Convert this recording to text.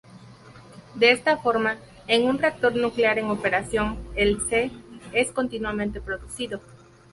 De esta forma, en un reactor nuclear en operación, el Xe es continuamente producido.